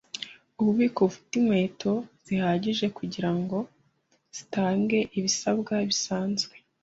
Ububiko bufite inkweto zihagije kugirango zitange ibisabwa bisanzwe.